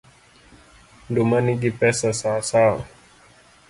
Nduma nigi pesa sawasawa.